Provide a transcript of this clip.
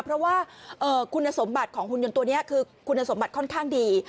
เพราะว่าคุณสมบัติของหุ่นยนต์ตัวนี้คือคุณสมบัติค่อนข้างดี